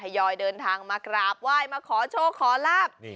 ยอยเดินทางมากราบไหว้มาขอโชคขอลาบ